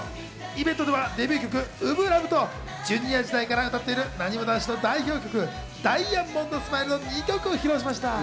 イベントではデビュー曲『初心ＬＯＶＥ』とＪｒ．時代から歌っている、なにわ男子の代表曲『ダイヤモンドスマイル』の２曲を披露しました。